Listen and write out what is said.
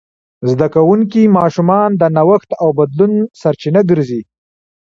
زده کوونکي ماشومان د نوښت او بدلون سرچینه ګرځي.